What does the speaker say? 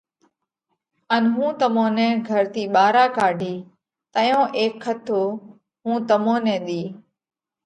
ان هُون تمون نئہ گھر ٿِي ٻارا ڪاڍِيه، تئيون اي کٿو هُون تمون نئہ ۮِيه۔